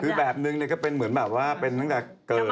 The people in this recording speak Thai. คือแบบนึงก็เป็นเหมือนแบบว่าเป็นตั้งแต่เกิด